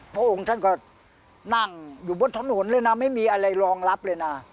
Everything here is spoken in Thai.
พระองค์ท่านก็นั่งอยู่บนถนนเลยนะไม่มีอะไรรองรับเลยนะ